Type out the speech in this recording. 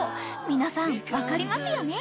皆さん分かりますよね？］